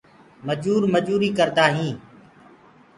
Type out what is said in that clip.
مجورآن ڪي مجوريون هونديون هين اور